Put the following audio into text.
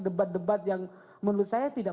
debat debat yang menurut saya tidak